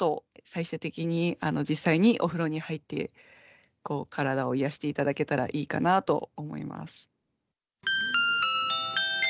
最終的に、実際にお風呂に入って、体を癒やしていただけたらいいかなと思います。